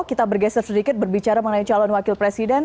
kita bergeser sedikit berbicara mengenai calon wakil presiden